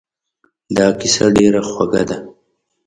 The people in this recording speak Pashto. دا کیسه ډېره خوږه ده.